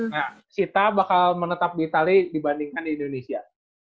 nah kita bakal menetap di itali dibandingkan di indonesia